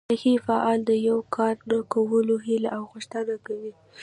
نهي فعل د یو کار نه کولو هیله او غوښتنه کوي.